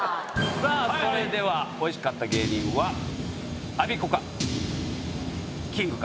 さぁそれではおいしかった芸人はアビコか？